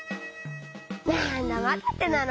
なんだまだ「て」なの？